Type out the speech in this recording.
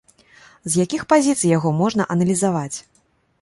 З якіх пазіцый яго можна аналізаваць?